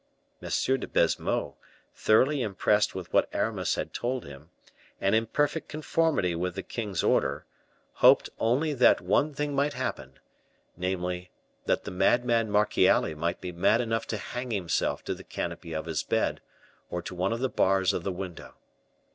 M. de Baisemeaux, thoroughly impressed with what Aramis had told him, and in perfect conformity with the king's order, hoped only that one thing might happen; namely, that the madman Marchiali might be mad enough to hang himself to the canopy of his bed, or to one of the bars of the window.